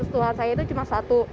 tuhan saya itu cuma satu